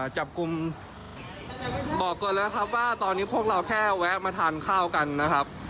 จับกลุ่มบอกก่อนแล้วครับว่าตอนนี้พวกเราแค่แวะมาทานข้าวกันนะครับ